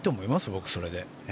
僕はそれで。